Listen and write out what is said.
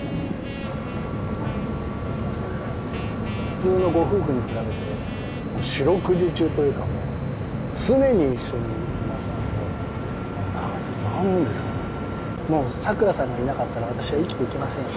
普通のご夫婦に比べて四六時中というかもう常に一緒にいますのでもう何ですかねもうさくらさんがいなかったら私は生きていけません。